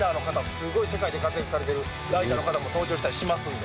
すごい世界で活躍されてるライダーの方も登場したりしますんで。